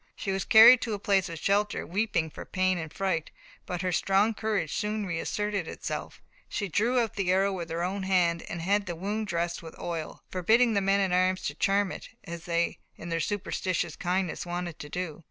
She was carried to a place of shelter, weeping for pain and fright; but her strong courage soon reasserted itself; she drew out the arrow with her own hand, and had the wound dressed with oil, forbidding the men at arms to "charm" it, as they in their superstitious kindness wanted to do.